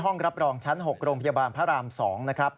รับรองชั้น๖โรงพยาบาลพระราม๒นะครับ